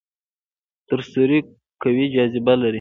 تور سوري قوي جاذبه لري.